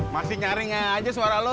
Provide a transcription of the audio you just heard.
masih nyaring aja suara lo